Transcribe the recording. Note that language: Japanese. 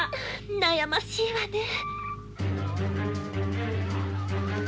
悩ましいわねえ。